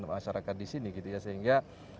masyarakat di sini sehingga